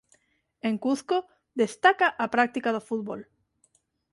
En Cuzco destaca a práctica do fútbol.